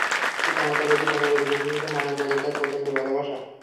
পিতামাতার অধিক অনুগত, বিশেষত মায়ের প্রতি তার প্রচণ্ড ভালবাসা।